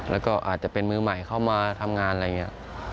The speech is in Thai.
แล้วก็อาจจะเป็นมือใหม่เข้ามาทำงานอะไรอย่างนี้